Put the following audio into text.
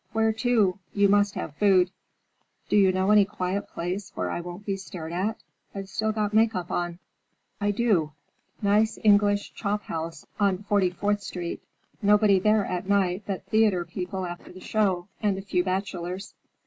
"Where to? You must have food." "Do you know any quiet place, where I won't be stared at? I've still got make up on." "I do. Nice English chop house on Forty fourth Street. Nobody there at night but theater people after the show, and a few bachelors."